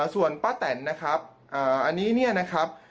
ส่วนป้าแตนนะครับอันนี้เนี่ยนะครับ